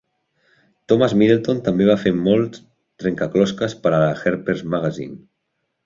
Thomas Middleton també va fer molts trencaclosques per a la 'Harpers Magazine'.